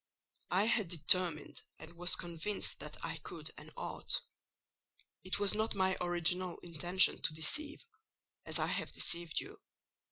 "I had determined and was convinced that I could and ought. It was not my original intention to deceive, as I have deceived you.